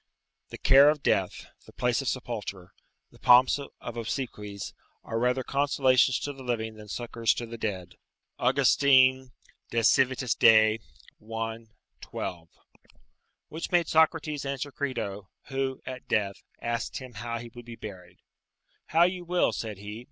["The care of death, the place of sepulture, the pomps of obsequies, are rather consolations to the living than succours to the dead." August. De Civit. Dei, i. 12.] Which made Socrates answer Crito, who, at death, asked him how he would be buried: "How you will," said he.